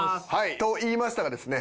と言いましたがですね